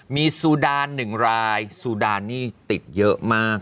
มีสุดาล๑รายสุดาลนี้ติดเยอะมาก